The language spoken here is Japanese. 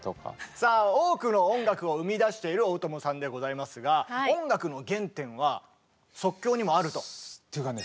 さあ多くの音楽を生み出している大友さんでございますが音楽の原点は即興にもあると。